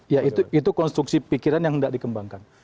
ya itu konstruksi pikiran yang tidak dikembangkan